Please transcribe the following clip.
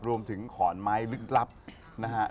รวมถึงขอนไม้ลึกลับนะฮะ